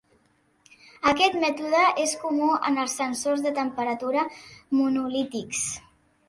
Aquest mètode és comú en els sensors de temperatura monolítics.